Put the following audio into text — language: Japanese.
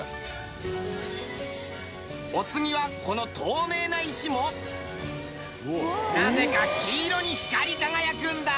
お次はこの透明な石もなぜか黄色に光り輝くんだ。